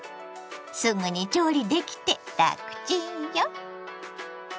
すぐに調理できてラクチンよ。